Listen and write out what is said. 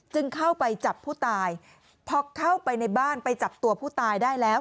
เข้าไปจับผู้ตายพอเข้าไปในบ้านไปจับตัวผู้ตายได้แล้ว